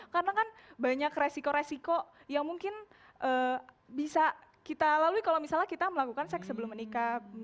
karena kan banyak resiko resiko yang mungkin bisa kita lalui kalo misalnya kita melakukan seks sebelum menikah